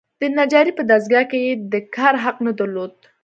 د نجارۍ په دستګاه کې یې د کار حق نه درلود.